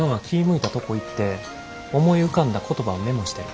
向いたとこ行って思い浮かんだ言葉をメモしてる。